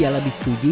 aku bisa jadi juara